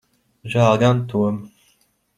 Žēl gan Toma.